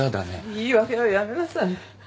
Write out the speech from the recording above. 言い訳はやめなさい。